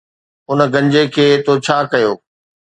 ان گنجي کي تو ڇا ڪيو؟